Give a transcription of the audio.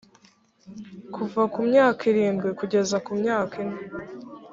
kuva ku myaka irindwi kugeza ku myaka ine